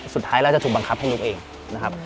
สุดท้ายแล้วจะถูกบังคับให้ลุกเองนะครับ